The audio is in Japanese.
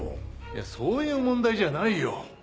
いやそういう問題じゃないよ！